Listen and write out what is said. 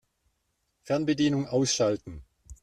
Fernbedienung ausschalten.